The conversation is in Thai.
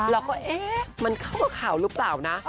เราก็เอ๊ะมันเข้ากับข่าวหรือเปล่านะ